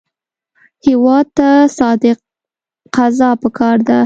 هېواد ته صادق قضا پکار ده